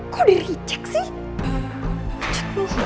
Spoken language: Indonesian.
kok diricek sih